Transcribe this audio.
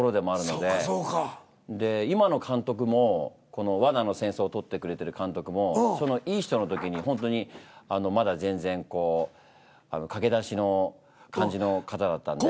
で今の監督もこの「罠の戦争」を撮ってくれてる監督もその「いいひと。」の時にほんとにまだ全然こう駆け出しの感じの方だったんで。